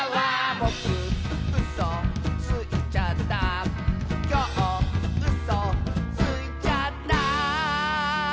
「ぼくうそついちゃった」「きょううそついちゃった」